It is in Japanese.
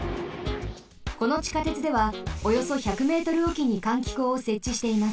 このちかてつではおよそ１００メートルおきに換気口をせっちしています。